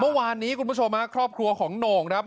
เออเมื่อวานนี้คุณผู้ชมฮะครอบครัวของโหน่งนะครับ